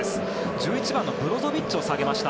１１番のブロゾビッチを下げました。